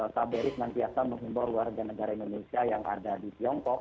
pak berit menghiasan menghimpau warga negara indonesia yang ada di tiongkok